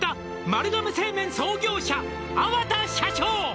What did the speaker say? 「丸亀製麺創業者粟田社長」